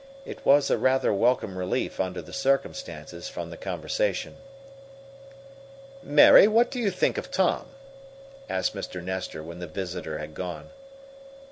It was a rather welcome relief, under the circumstances, from the conversation. "Mary, what do you think of Tom?" asked Mr. Nestor, when the visitor had gone.